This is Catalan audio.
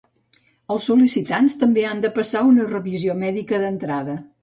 Els sol·licitants també han de passar una revisió mèdica d'entrada.